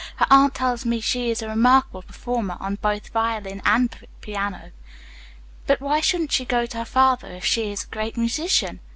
Her aunt tells me she is a remarkable performer on both violin and piano." "But why shouldn't she go to her father if he is a great musician?"